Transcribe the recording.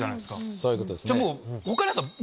そういうことですね。